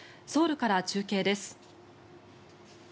ソウルから中継です。